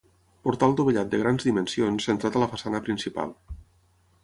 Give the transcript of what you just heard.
Portal dovellat de grans dimensions centrat a la façana principal.